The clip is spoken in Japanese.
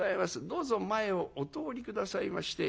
どうぞ前をお通り下さいまして」。